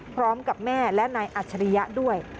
พร้อมกับแม่และนายอัจฉริยะด้วย